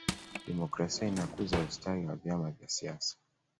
demokrasia inakuza ustawi wa vyama vya siasa